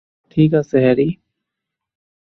ঠিক আছে, হ্যারি।